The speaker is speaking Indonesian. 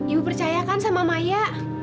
ibu percaya kan sama maya